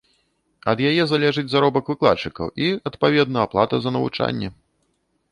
Ад яе залежыць заробак выкладчыкаў і, адпаведна, аплата за навучанне.